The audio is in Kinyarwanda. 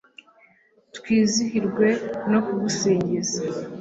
twizihirwe no kugusingiza